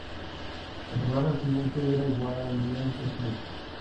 La temporada siguiente era igualmente triste.